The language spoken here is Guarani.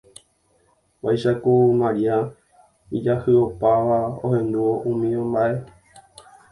Vaicháku Maria ijahy'opa'ãva ohendúvo umi mba'e